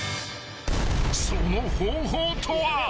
［その方法とは］